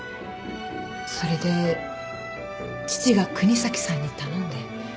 それで父が國東さんに頼んで。